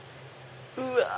うわ！